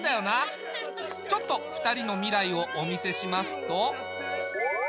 ちょっと２人の未来をお見せしますと。